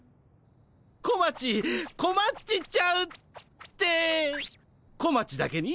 「こまちこまっちちゃう」って小町だけに？